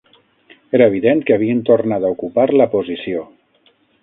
Era evident que havien tornat a ocupar la posició